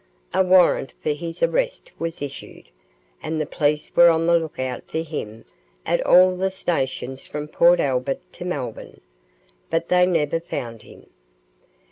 A warrant for his arrest was issued, and the police were on the look out for him at all the stations from Port Albert to Melbourne, but they never found him.